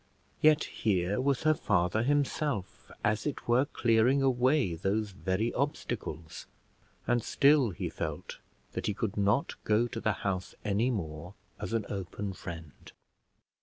Yet here was her father himself, as it were, clearing away those very obstacles, and still he felt that he could not go to the house any more as an open friend.